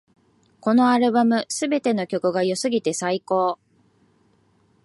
このアルバム、すべての曲が良すぎて最高